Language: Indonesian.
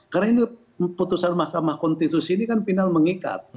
karena ini keputusan mahkamah kontitusi ini kan final mengikat